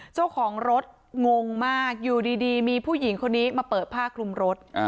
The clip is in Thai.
เจ้าของรถงงมากอยู่ดีมีผู้หญิงคนนี้มาเปิดผ้าคลุมรถ